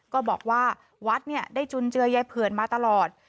ก็บอกว่าวัดเนี่ยได้จุนเจือยายเผื่อนมาตลอด